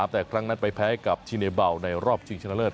แต่ครั้งนั้นไปแพ้กับชิเนเบาในรอบชิงชนะเลิศ